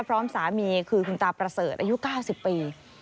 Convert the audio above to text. พร้อมสามีคือคุณตาประเสริฐอายุ๙๐ปี